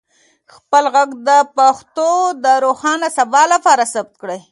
خپل ږغ د پښتو د روښانه سبا لپاره ثبت کړئ.